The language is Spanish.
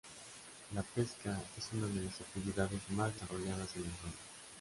La pesca es una de las actividades más desarrolladas en la zona.